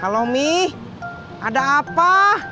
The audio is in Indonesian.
halo mi ada apa